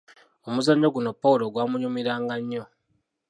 Omuzannyo guno Pawulo gwamunyumiranga nnyo.